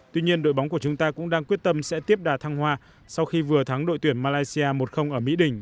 tuy nhiên đội bóng của chúng ta cũng đang quyết tâm sẽ tiếp đà thăng hoa sau khi vừa thắng đội tuyển malaysia một ở mỹ đình